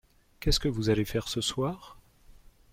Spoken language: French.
Qu’est-ce que vous allez faire ce soir ?